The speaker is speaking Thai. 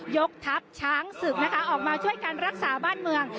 ยกทัพช้างศึกนะคะออกมาช่วยกันรักษาบ้านเมือง